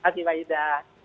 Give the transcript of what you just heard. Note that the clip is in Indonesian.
terima kasih pak yudha